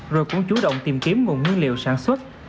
rồi cũng chú động tìm kiếm nguồn nguyên liệu sản xuất